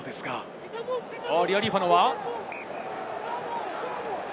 リアリーファノは。